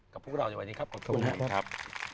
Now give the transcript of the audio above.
พวกเราในวันนี้ครับขอบคุณครับ